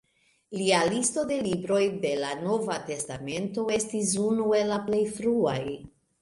Lia listo de libroj de la Nova testamento estis unu el la plej fruaj.